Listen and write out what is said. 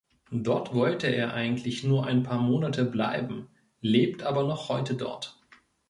Dort wollte er eigentlich nur ein paar Monate bleiben, lebt aber noch heute dort.